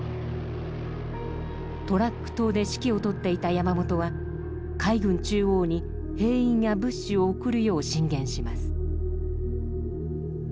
トラック島で指揮を執っていた山本は海軍中央に兵員や物資を送るよう進言します。